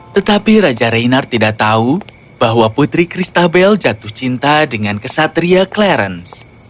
tetapi raja reynard tidak tahu bahwa putri christabel jatuh cinta dengan kesatria clarence